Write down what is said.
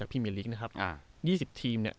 ๒๐ทีมเนี่ย